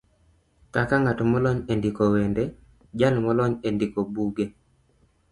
kaka ng'at molony e ndiko wende, jal molony e ndiko buge,